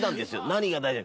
何が大事。